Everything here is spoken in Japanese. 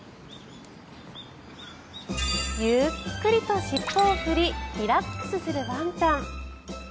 ゆっくりと尻尾を振りリラックスするワンちゃん。